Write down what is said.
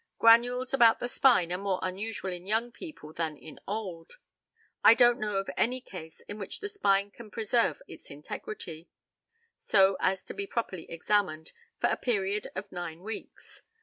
Granules about the spine are more unusual in young people than in old. I don't know of any case in which the spine can preserve its integrity, so as to be properly examined, for a period of nine weeks.